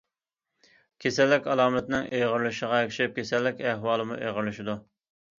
كېسەللىك ئالامىتىنىڭ ئېغىرلىشىشىغا ئەگىشىپ، كېسەللىك ئەھۋالىمۇ ئېغىرلىشىدۇ.